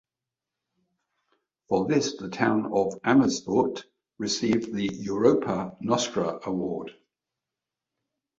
For this the town of Amersfoort received the Europa Nostra Award.